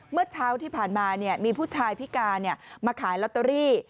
เมื่อเช้าที่ผ่านมามีผู้ชายพิการมาขายลอตเตอรี่